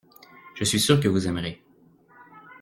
Je suis sûr que vous aimerez.